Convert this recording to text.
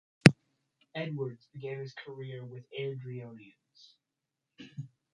Edwards began his career with Airdrieonians.